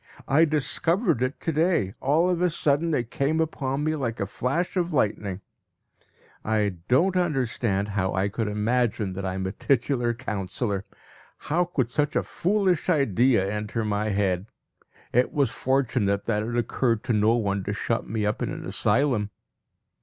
I discovered it to day; all of a sudden it came upon me like a flash of lightning. I do not understand how I could imagine that I am a titular councillor. How could such a foolish idea enter my head? It was fortunate that it occurred to no one to shut me up in an asylum.